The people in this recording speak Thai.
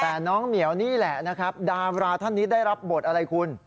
แต่น้องเหมียวนี่แหละนะครับดาราท่านนี้ได้รับบทอะไรคุณ